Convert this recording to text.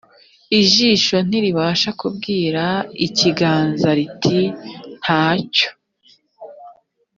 ijisho ntiribasha kubwira ikiganza riti nta cyo